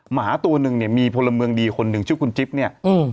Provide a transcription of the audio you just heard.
หมาตัวนึงมีพลเมืองดีคนหนึ่งชื่อคุณจิ๊บเนี่ย